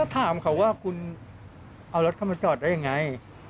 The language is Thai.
ถามเขาว่าคุณเอารถเข้ามาจอดได้ยังไง